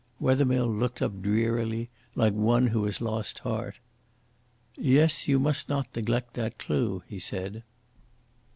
Wethermill looked up drearily like one who has lost heart. "Yes, you must not neglect that clue," he said.